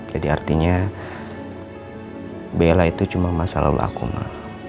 jadi artinya bella itu cuma masa lalu aku ma